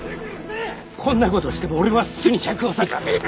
こんな事しても俺はすぐに釈放されるぞ！